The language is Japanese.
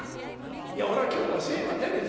いや俺は今日は精は出ねえんだよ。